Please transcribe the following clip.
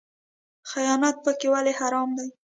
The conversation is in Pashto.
خیانت پکې ولې حرام دی؟